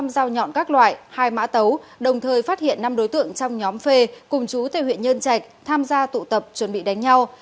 năm dao nhọn các loại hai mã tấu đồng thời phát hiện năm đối tượng trong nhóm phê cùng chú tại huyện nhân trạch tham gia tụ tập chuẩn bị đánh nhau